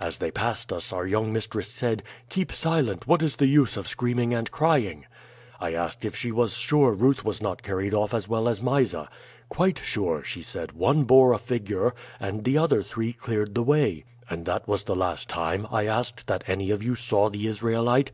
As they passed us our young mistress said, 'Keep silent; what is the use of screaming and crying?'' "I asked if she was sure Ruth was not carried off as well as Mysa. "'Quite sure,' she said. 'One bore a figure and the other three cleared the way.'" "'And that was the last time,' I asked, 'that any of you saw the Israelite?'